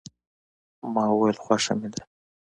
ما وویل، خوښه مې ده.